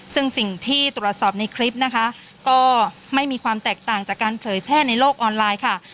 ซึ่งสิ่งที่ตรวจสอบในคลิปนะคะก็ไม่มีความแตกต่างจากการเผยแพร่ในโลกออนไลน์ค่ะ